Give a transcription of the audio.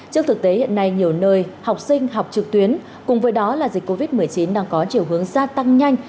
trước thực tế hiện nay nhiều nơi học sinh học trực tuyến cùng với đó là dịch covid một mươi chín đang có chiều hướng gia tăng nhanh